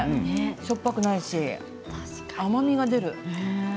しょっぱくもないし、甘みが出る。